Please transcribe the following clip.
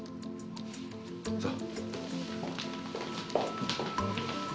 さあ。